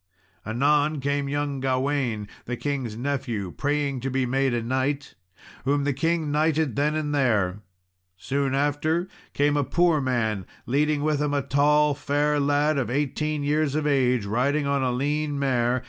Anon came young Gawain, the king's nephew, praying to be made a knight, whom the king knighted then and there. Soon after came a poor man, leading with him a tall fair lad of eighteen years of age, riding on a lean mare.